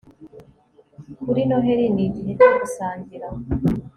kuri noheri ni igihe cyo gusangira